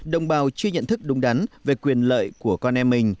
đồng bào chưa nhận thức đúng đắn về quyền lợi của con em mình